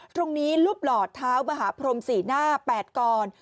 ตรงนี้รูปหลอดเท้ามหาพรมศรีหน้า๘กร